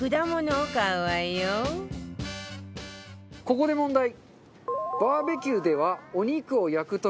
ここで問題。